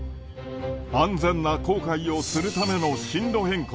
安全な航海をするための針路変更。